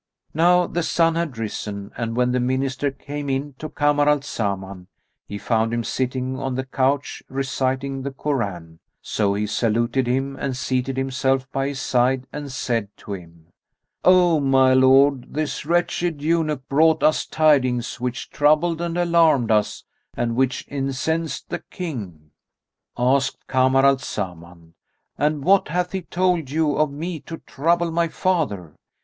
Now the sun had risen and when the Minister came in to Kamar al Zaman, he found him sitting on the couch reciting the Koran; so he saluted him and seated himself by his side, and said to him, "O my lord, this wretched eunuch brought us tidings which troubled and alarmed us and which incensed the King." Asked Kamar al Zaman, "And what hath he told you of me to trouble my father?